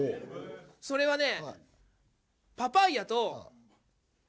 それはね